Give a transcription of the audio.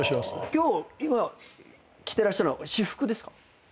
今着てらっしゃるのは私服ですか？